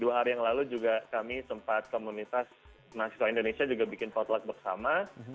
dua hari yang lalu juga kami sempat komunitas mahasiswa indonesia juga bikin potluck bersama